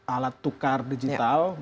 alat tukar digital